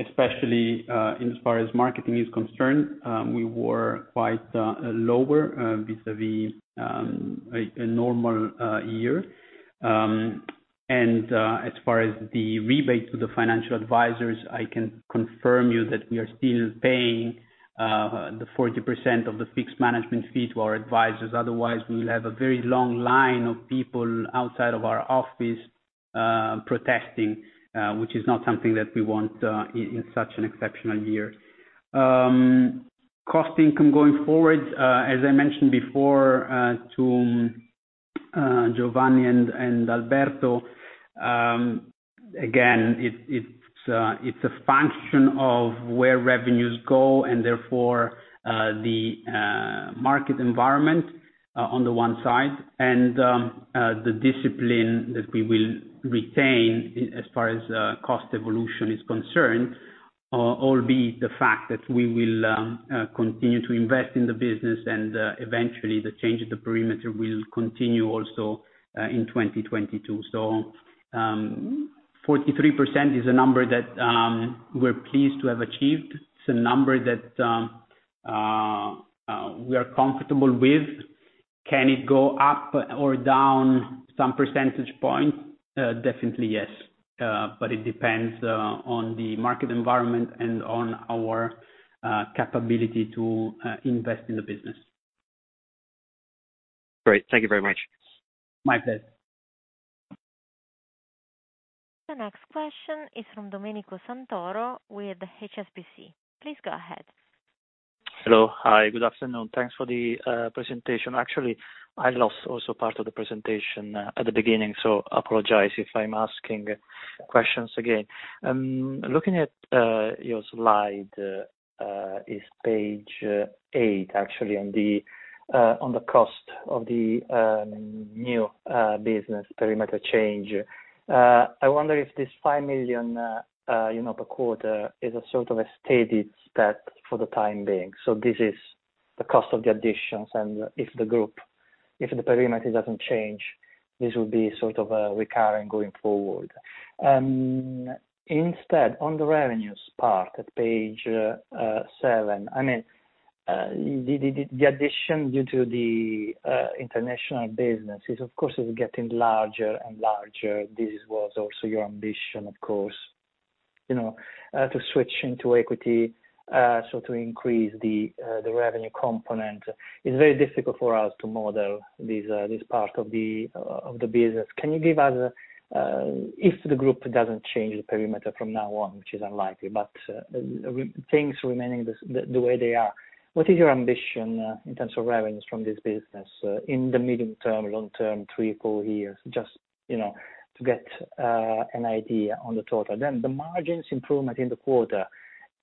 especially as far as marketing is concerned, we were quite lower vis-à-vis a normal year. As far as the rebate to the financial advisors, I can confirm to you that we are still paying the 40% of the fixed management fee to our advisors. Otherwise, we will have a very long line of people outside of our office, protesting, which is not something that we want, in such an exceptional year. Cost/income going forward, as I mentioned before, to Giovanni and Alberto, again, it's a function of where revenues go, and therefore, the market environment, on the one side, and the discipline that we will retain as far as cost evolution is concerned, albeit the fact that we will continue to invest in the business and eventually the change of the perimeter will continue also in 2022. 43% is a number that we're pleased to have achieved. It's a number that we are comfortable with. Can it go up or down some percentage point? Definitely yes. It depends on the market environment and on our capability to invest in the business. Great. Thank you very much. My pleasure. The next question is from Domenico Santoro with HSBC. Please go ahead. Hello. Hi. Good afternoon. Thanks for the presentation. Actually, I also lost part of the presentation at the beginning, so I apologize if I'm asking questions again. Looking at your slide, is page eight actually on the cost of the new business perimeter change. I wonder if this 5 million you know per quarter is a sort of a steady state for the time being. This is the cost of the additions, and if the perimeter doesn't change, this will be sort of a recurring going forward. Instead, on the revenues part at page seven, I mean the addition due to the international business is of course getting larger and larger. This was also your ambition, of course, you know, to switch into equity, so to increase the revenue component. It's very difficult for us to model this part of the business. Can you give us, if the group doesn't change the perimeter from now on, which is unlikely, but things remaining the way they are, what is your ambition in terms of revenues from this business in the medium term, long term, three, four years, just you know, to get an idea on the total? Then the margins improvement in the quarter,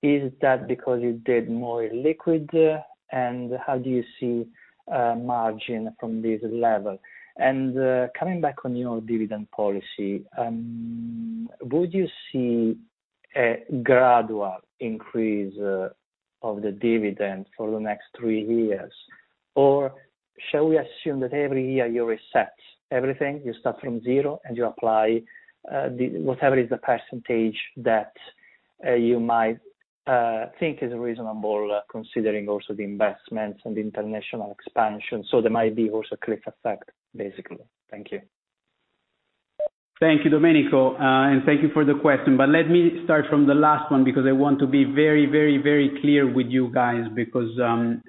is that because you did more illiquid? And how do you see margin from this level? And coming back on your dividend policy, would you see a gradual increase of the dividend for the next three years? Shall we assume that every year you reset everything, you start from zero, and you apply whatever is the percentage that you might think is reasonable, considering also the investments and the international expansion? There might be also cliff effect, basically. Thank you. Thank you, Domenico. Thank you for the question. Let me start from the last one, because I want to be very clear with you guys, because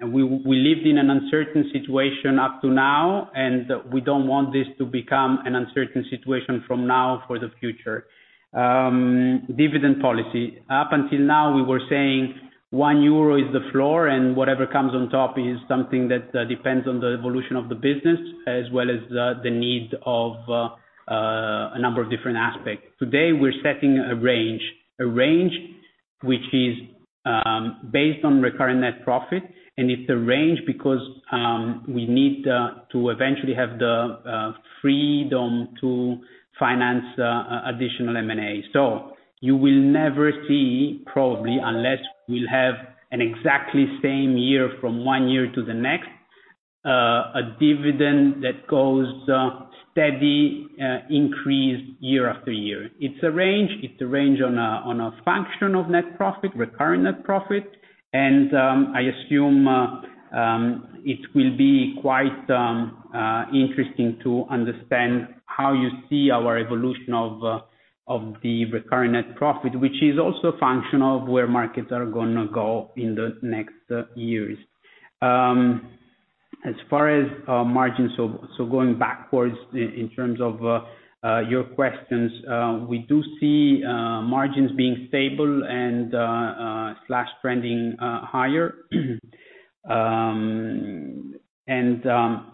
we lived in an uncertain situation up to now, and we don't want this to become an uncertain situation from now for the future. Dividend policy. Up until now, we were saying 1 euro is the floor, and whatever comes on top is something that depends on the evolution of the business, as well as the need of a number of different aspects. Today we're setting a range, a range which is based on recurring net profit, and it's a range because we need to eventually have the freedom to finance additional M&A. You will never see, probably, unless we'll have an exactly same year from one year to the next, a dividend that goes steady increase year after year. It's a range on a function of net profit, recurring net profit, and I assume it will be quite interesting to understand how you see our evolution of the recurring net profit, which is also a function of where markets are gonna go in the next years. As far as margins, going backwards in terms of your questions, we do see margins being stable and/or trending higher. I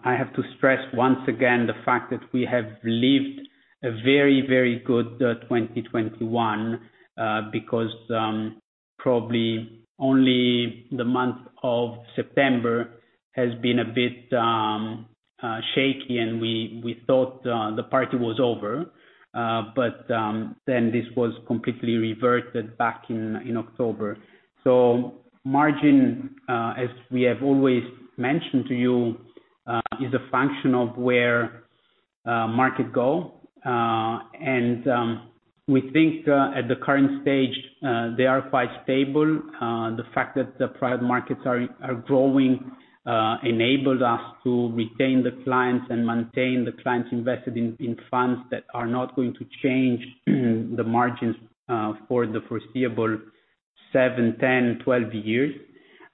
have to stress once again the fact that we have lived a very, very good 2021 because probably only the month of September has been a bit shaky and we thought the party was over. This was completely reverted back in October. Margins as we have always mentioned to you is a function of where markets go. We think at the current stage they are quite stable. The fact that the private markets are growing enabled us to retain the clients and maintain the clients invested in funds that are not going to change the margins for the foreseeable seven, 10, 12 years.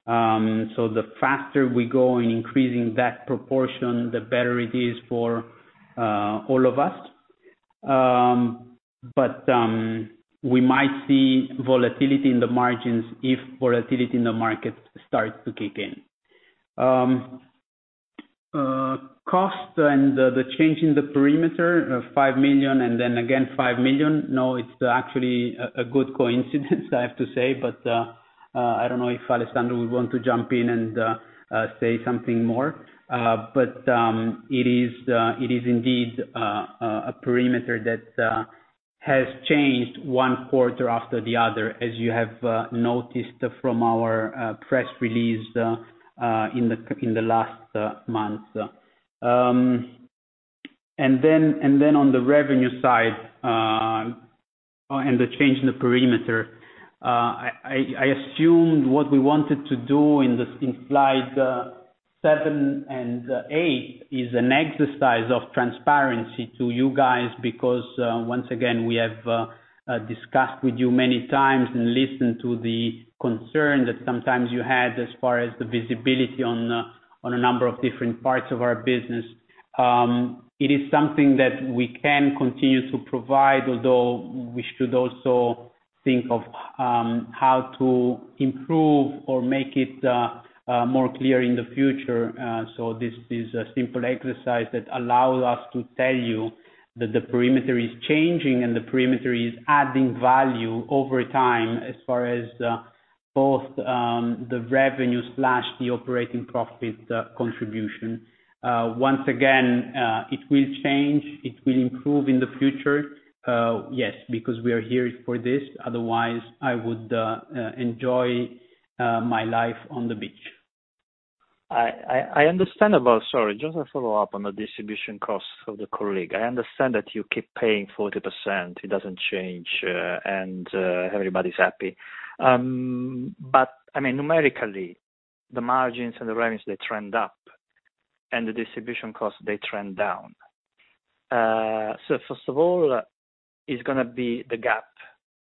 The faster we go in increasing that proportion, the better it is for all of us. We might see volatility in the margins if volatility in the markets starts to kick in. Cost and the change in the perimeter, 5 million, and then again 5 million. No, it's actually a good coincidence I have to say. I don't know if Alessandro will want to jump in and say something more. It is indeed a perimeter that has changed one quarter after the other, as you have noticed from our press release in the last months. On the revenue side and the change in the perimeter, I assumed what we wanted to do in slide seven and eight is an exercise of transparency to you guys because once again, we have discussed with you many times and listened to the concern that sometimes you had as far as the visibility on a number of different parts of our business. It is something that we can continue to provide, although we should also think of how to improve or make it more clear in the future. This is a simple exercise that allows us to tell you that the perimeter is changing, and the perimeter is adding value over time as far as both the revenue slash the operating profit contribution. Once again, it will change. It will improve in the future. Yes, because we are here for this. Otherwise, I would enjoy my life on the beach. I understand. Sorry, just a follow-up on the distribution costs of the colleague. I understand that you keep paying 40%, it doesn't change, and everybody's happy. I mean, numerically, the margins and the revenues, they trend up, and the distribution costs, they trend down. First of all, is gonna be the gap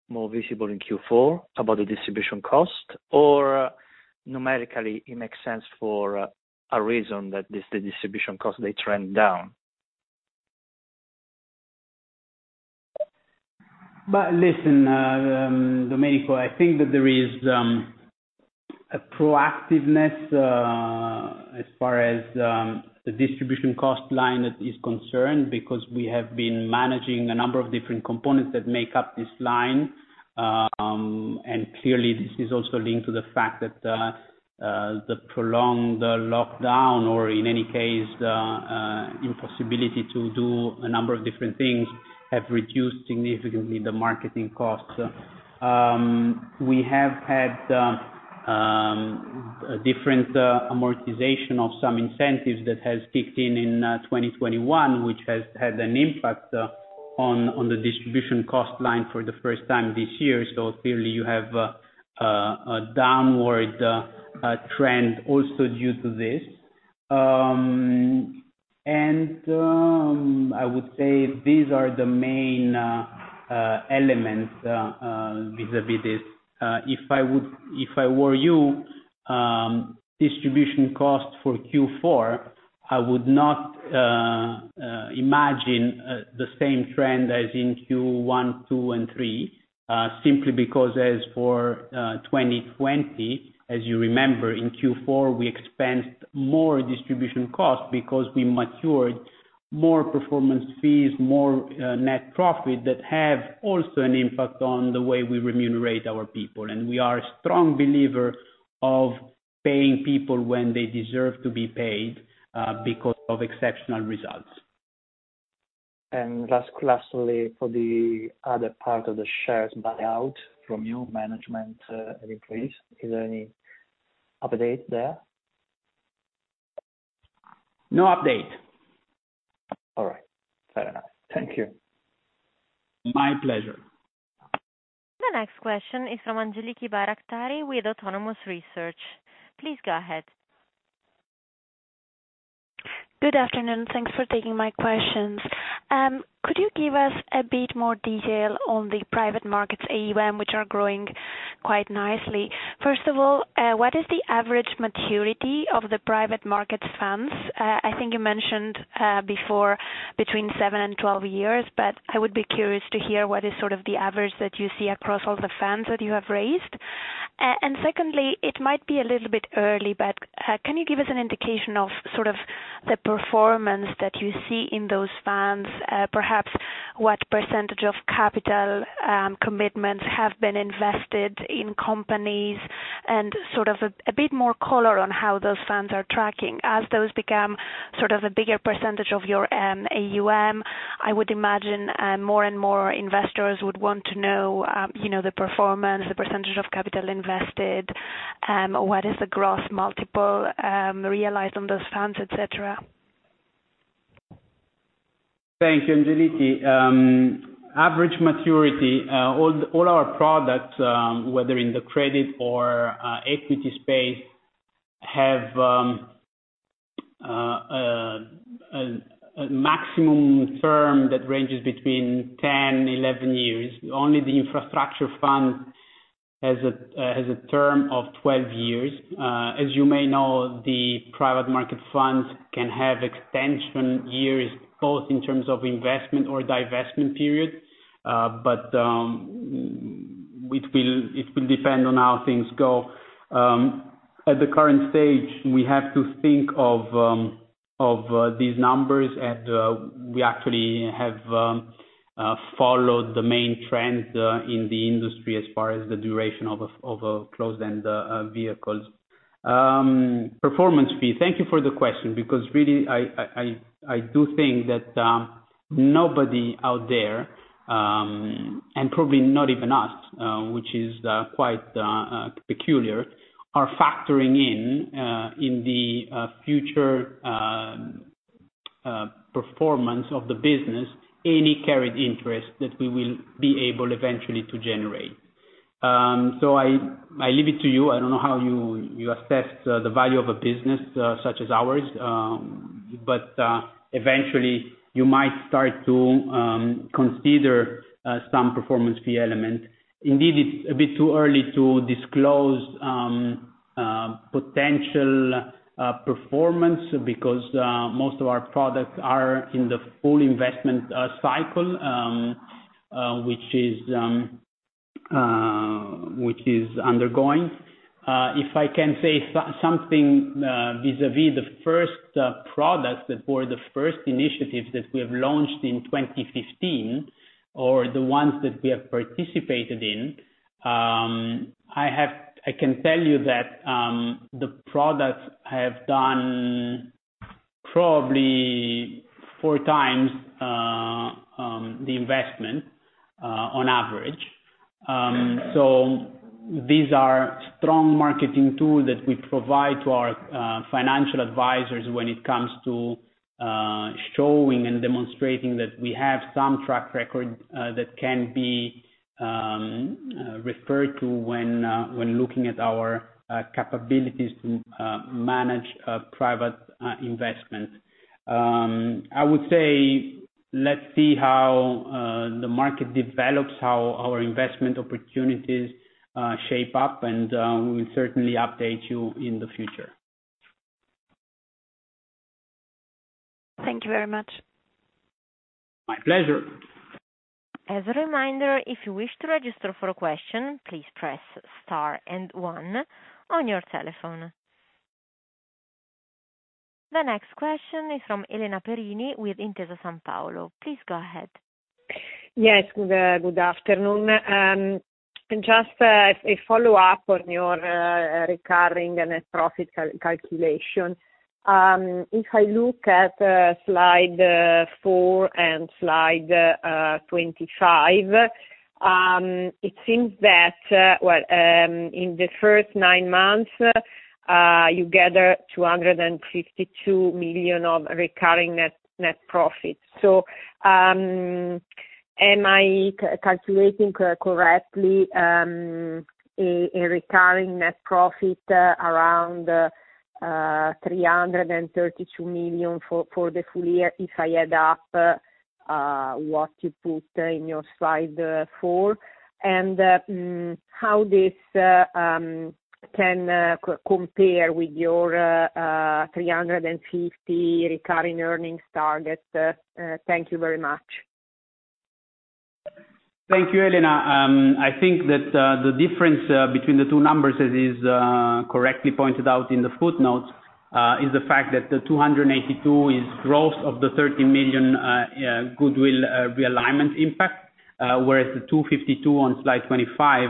more visible in Q4 about the distribution cost? Or numerically, it makes sense for a reason that this, the distribution cost, they trend down. Listen, Domenico, I think that there is a proactiveness as far as the distribution cost line is concerned, because we have been managing a number of different components that make up this line. Clearly, this is also linked to the fact that the prolonged lockdown, or in any case, the impossibility to do a number of different things, have reduced significantly the marketing costs. We have had a different amortization of some incentives that has kicked in in 2021, which has had an impact on the distribution cost line for the first time this year. Clearly, you have a downward trend also due to this. I would say these are the main elements vis-à-vis this. If I would, if I were you, distribution cost for Q4, I would not imagine the same trend as in Q1, Q2, and Q3, simply because as for 2020, as you remember, in Q4, we expensed more distribution costs because we matured more performance fees, more net profit that have also an impact on the way we remunerate our people. We are a strong believer of paying people when they deserve to be paid because of exceptional results. Lastly, for the other part of the shares buyout from you, management increase. Is there any update there? No update. All right. Fair enough. Thank you. My pleasure. The next question is from Angeliki Bairaktari with Autonomous Research. Please go ahead. Good afternoon. Thanks for taking my questions. Could you give us a bit more detail on the private markets AUM, which are growing quite nicely? First of all, what is the average maturity of the private markets funds? I think you mentioned before between seven to 12 years, but I would be curious to hear what is sort of the average that you see across all the funds that you have raised. Secondly, it might be a little bit early, but can you give us an indication of sort of the performance that you see in those funds? Perhaps what percentage of capital commitments have been invested in companies? Sort of a bit more color on how those funds are tracking. As those become sort of a bigger percentage of your AUM, I would imagine more and more investors would want to know you know the performance, the percentage of capital invested, what is the gross multiple realized on those funds, et cetera. Thank you, Angeliki. Average maturity, all our products, whether in the credit or equity space, have a maximum term that ranges between 10-11 years. Only the infrastructure fund has a term of 12 years. As you may know, the private market funds can have extension years, both in terms of investment or divestment period, but it will depend on how things go. At the current stage, we have to think of these numbers, and we actually have followed the main trend in the industry as far as the duration of a closed-end vehicles. Performance fee. Thank you for the question because really I do think that nobody out there and probably not even us which is quite peculiar are factoring in in the future performance of the business any carried interest that we will be able eventually to generate. I leave it to you. I don't know how you assess the value of a business such as ours. Eventually you might start to consider some performance fee element. Indeed, it's a bit too early to disclose potential performance because most of our products are in the full investment cycle which is undergoing. If I can say something vis-à-vis the first products that were the first initiatives that we have launched in 2015 or the ones that we have participated in, I can tell you that the products have done probably 4x the investment on average. These are strong marketing tool that we provide to our financial advisors when it comes to showing and demonstrating that we have some track record that can be referred to when looking at our capabilities to manage a private investment. I would say let's see how the market develops, how our investment opportunities shape up, and we certainly update you in the future. Thank you very much. My pleasure. As a reminder, if you wish to register for a question, please press star and one on your telephone. The next question is from Elena Perini with Intesa Sanpaolo. Please go ahead. Yes. Good afternoon. Just a follow-up on your recurring net profit calculation. If I look at slide four and slide 25, it seems that, well, in the first nine months, you gather 252 million of recurring net profit. Am I calculating correctly a recurring net profit around 332 million for the full year if I add up what you put in your slide four? How this can compare with your 350 million recurring earnings target? Thank you very much. Thank you, Elena. I think that the difference between the two numbers as is correctly pointed out in the footnotes is the fact that the 282 is gross of the 30 million goodwill realignment impact, whereas the 252 on slide 25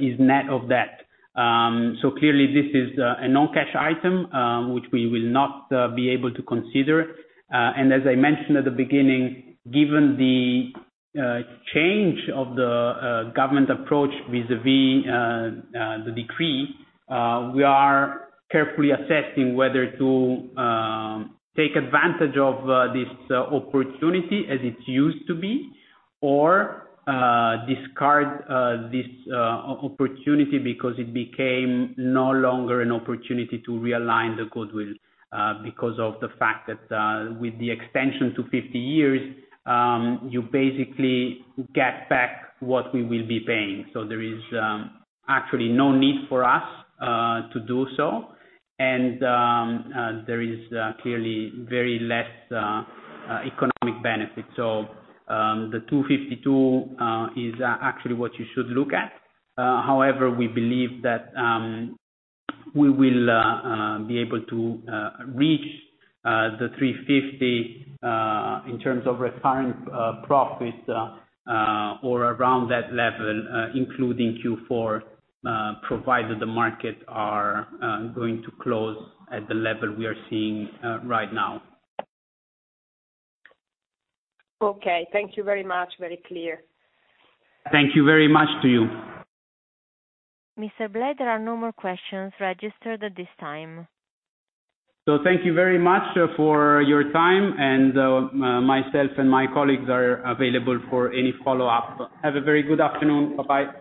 is net of that. Clearly this is a non-cash item which we will not be able to consider. As I mentioned at the beginning, given the change of the government approach vis-à-vis the decree, we are carefully assessing whether to take advantage of this opportunity as it used to be or discard this opportunity because it became no longer an opportunity to realign the goodwill, because of the fact that with the extension to 50 years, you basically get back what we will be paying. There is actually no need for us to do so. There is clearly very less economic benefit. The 252 is actually what you should look at. However, we believe that we will be able to reach 350 in terms of recurring profit or around that level, including Q4, provided the markets are going to close at the level we are seeing right now. Okay. Thank you very much. Very clear. Thank you very much to you. Mr. Blei, there are no more questions registered at this time. Thank you very much for your time, and myself and my colleagues are available for any follow-up. Have a very good afternoon. Bye-bye.